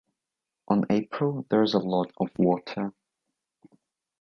On April there’s a lot of water.